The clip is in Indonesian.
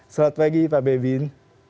selamat pagi pak bebin